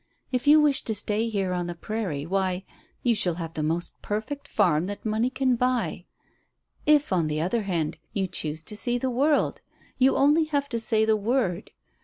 If you wish to stay here on the prairie, why, you shall have the most perfect farm that money can buy; if, on the other hand, you choose to see the world, you only have to say the word.